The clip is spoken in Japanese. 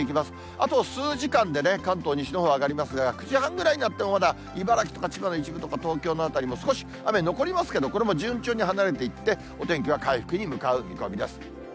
あと数時間でね、関東、西のほう上がりますが、９時半ぐらいになってもまだ、茨城とか千葉の一部とか、東京の辺りも少し雨、残りますけど、これも順調に離れていって、お天気は回復に向かう見込みです。